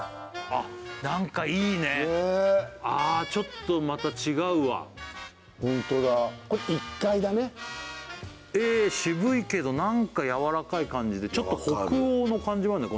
あっ何かいいねああちょっとまた違うわホントだこれ１階だねええ渋いけど何かやわらかい感じでちょっと北欧の感じもあるね